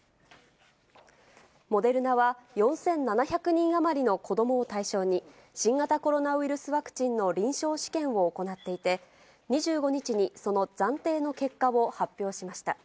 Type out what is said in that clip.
モデルナは、４７００人余りの子どもを対象に、新型コロナウイルスワクチンの臨床試験を行っていて、２５日に、その暫定の結果を発表しました。